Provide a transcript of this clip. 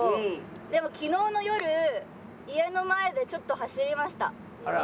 でも昨日の夜家の前でちょっと走りました。